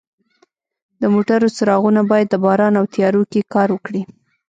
د موټرو څراغونه باید د باران او تیارو کې کار وکړي.